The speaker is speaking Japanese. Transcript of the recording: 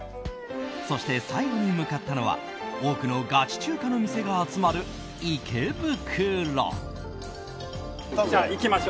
そして、最後に向かったのは多くのガチ中華の店が集まる池袋。